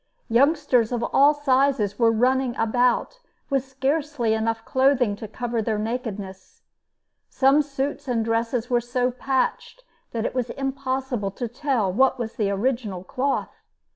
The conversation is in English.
Youngsters of all sizes were running about with scarcely enough clothing to cover their nakedness. Some suits and dresses were so patched that it was impossible to tell what was the original cloth.